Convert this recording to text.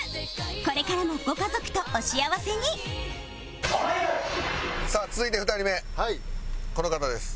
これからもご家族とお幸せにさあ続いて２人目この方です。